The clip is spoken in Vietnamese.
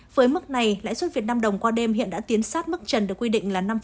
với mức này lãi suất việt nam đồng qua đêm hiện đã tiến sát mức trần được quy định là năm